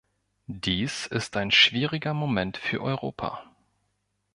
Dies ist ein schwieriger Moment für Europa.